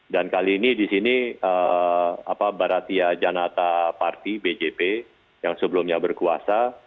dan kali ini di sini baratia janata parti bjp yang sebelumnya berkuasa